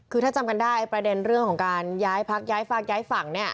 คือถ้าจำกันได้ประเด็นเรื่องของการย้ายพักย้ายฝากย้ายฝั่งเนี่ย